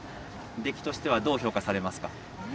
出来としてはどう評価されますか？